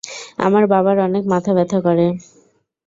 আমার বাবার অনেক মাথা ব্যথা করে।